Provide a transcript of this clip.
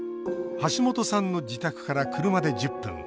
橋本さんの自宅から車で１０分。